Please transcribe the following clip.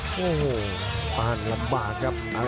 โอ้โหบ้านลำบากครับ